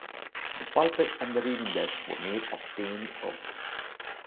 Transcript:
The pulpit and reading desk were made of stained oak.